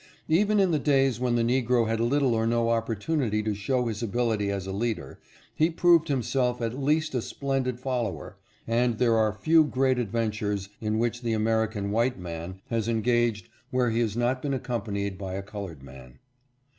Even in the days when the Negro had little or no opportunity to show his ability as a leader, he proved himself at least a splendid follower, and there are few great adventures in which the American white man has engaged where he has not been accompanied by a colored man.